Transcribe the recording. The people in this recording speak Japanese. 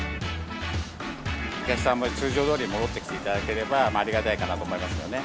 お客さんも通常どおり戻ってきていただければ、ありがたいかなと思いますよね。